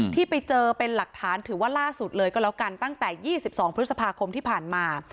ที่ไปเจอเป็นหลักฐานถือว่าล่าสุดเลยก็แล้วกันตั้งแต่๒๒พฤษภาคมที่ผ่านมา